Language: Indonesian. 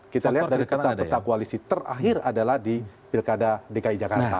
kita lihat dari peta peta koalisi terakhir adalah di pilkada dki jakarta